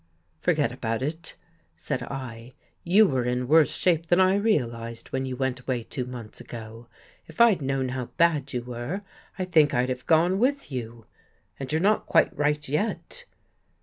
" Forget about it," said 1. " You were in worse shape than I realized when you went away two months ago. If I'd known how bad you were I think I'd have gone with you. And you're not quite right yet.